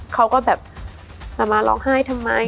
เขาก็แบบเรามาร้องไห้ทำไม